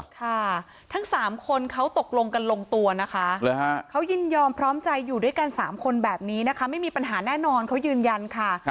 ค่ะทั้ง๓คนเขาตกลงกันลงตัวนะคะเขายินยอมพร้อมใจอยู่ด้วยกัน๓คนแบบนี้นะคะไม่มีปัญหาแน่นอนเขายืนยันค่ะ